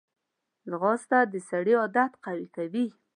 ځغاسته د سړي عادت قوي کوي